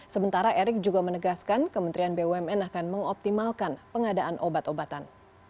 sementara erick juga menegaskan kementerian bumn akan mengoptimalkan pengadaan obat obatan